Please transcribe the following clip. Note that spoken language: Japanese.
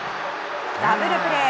ダブルプレー。